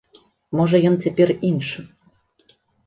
Можа, ён цяпер іншы.